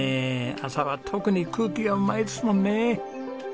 朝は特に空気がうまいですもんね。